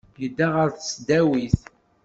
Yedda ɣer tesdawit.